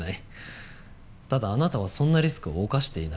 ただあなたはそんなリスクを冒していない。